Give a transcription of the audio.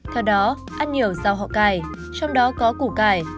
theo đó ăn nhiều rau họ cải trong đó có củ cải